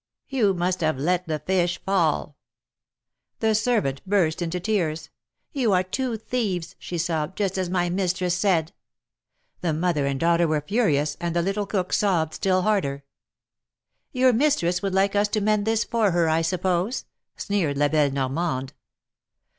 You must have let the fish fall." The servant burst into tears. " You are two thieves," she sobbed, "just as my mistress said." The mother and daughter were furious, and the little cook sobbed still harder. THE MARKETS OF PARIS. 147 Your mistress would like us to mend this for her, I suppose," sneered La belle Normande.